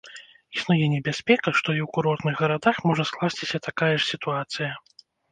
Існуе небяспека, што і ў курортных гарадах можа скласціся такая ж сітуацыя.